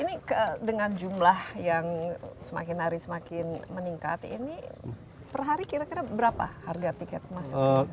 ini dengan jumlah yang semakin hari semakin meningkat ini per hari kira kira berapa harga tiket masuk